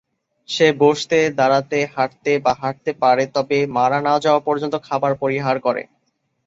সে বসতে, দাঁড়াতে, হাঁটতে বা হাঁটতে পারে, তবে মারা না যাওয়া পর্যন্ত খাবার পরিহার করে।